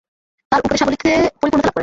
তার উপদেশাবলীতে পরিপূর্ণতা লাভ করেন।